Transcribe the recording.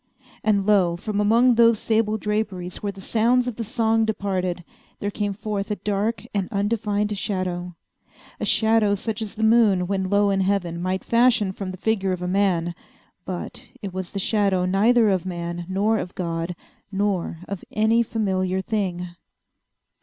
And lo! from among those sable draperies where the sounds of the song departed, there came forth a dark and undefined shadow—a shadow such as the moon, when low in heaven, might fashion from the figure of a man: but it was the shadow neither of man nor of God, nor of any familiar thing.